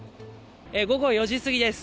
午後４時過ぎです。